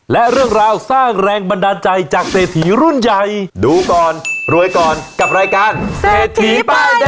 และเรื่องราวสร้างแรงบันดาลใจจากเศรษฐีรุ่นใหญ่ดูก่อนรวยก่อนกับรายการเศรษฐีป้ายแดง